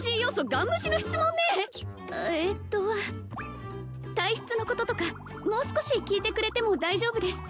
ガン無視の質問ねえっと体質のこととかもう少し聞いてくれても大丈夫です